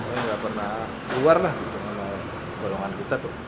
gak pernah keluar lah gitu sama golongan kita tuh